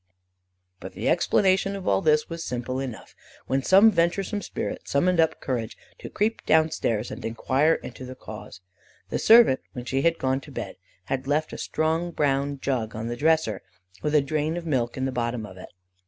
But the explanation of all this was simple enough, when some venturesome spirit summoned up courage to creep down stairs and enquire into the cause. The servant, when she had gone to bed, had left a strong brown jug on the dresser, with a drain of milk in the bottom of it.